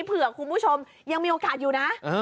เผื่อคุณผู้ชมยังมีโอกาสอยู่นะ